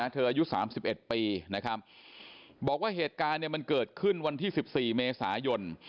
อายุ๓๑ปีนะครับบอกว่าเหตุการณ์มันเกิดขึ้นวันที่๑๔เมษายน